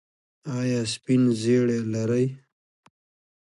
ایا سپین زیړی لرئ؟